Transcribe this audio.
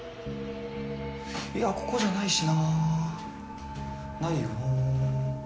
いやここじゃないしなないよね